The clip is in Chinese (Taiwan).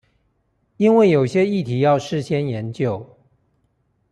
因為有些議題要事先研究